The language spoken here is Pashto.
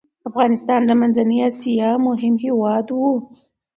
افغانستان د منځنی اسیا مهم هیواد و.